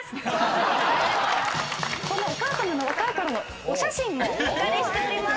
このお母さまの若いころのお写真をお借りしております。